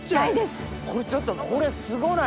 これちょっとこれすごないですか？